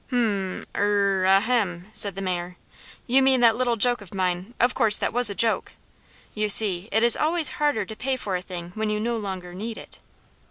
"H'm, er ahem!" said the Mayor. "You mean that little joke of mine; of course that was a joke." (You see it is always harder to pay for a thing when you no longer need it.)